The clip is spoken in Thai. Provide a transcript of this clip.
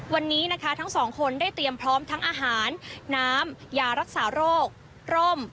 วันนี้นะคะทั้งสองคนได้เตรียมพร้อมทั้งอาหารน้ำยารักษาโรคร่ม